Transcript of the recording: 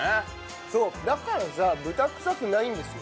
そうだからさ豚くさくないんですよ。